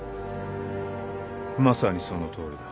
まさにそのとおりだ。